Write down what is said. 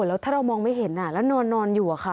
แล้วถ้าเรามองไม่เห็นแล้วนอนอยู่อะค่ะ